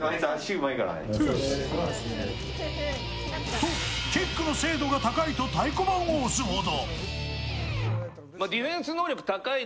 と、キックの精度が高いと太鼓判を押すほど。